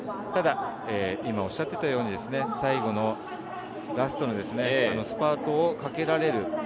ただ今、おっしゃったように最後、ラストのスパートをかけられる。